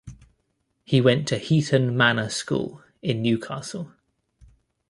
He went to Heaton Manor School in Newcastle.